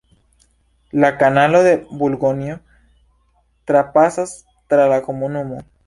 La kanalo de Burgonjo trapasas tra la komunumo.